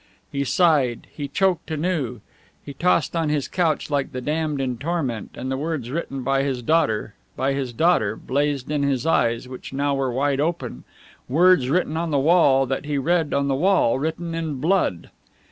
He sighed, he choked anew, he tossed on his couch like the damned in torment, and the words written by his daughter by his daughter blazed in his eyes, which now were wide open words written on the wall, that he read on the wall, written in blood.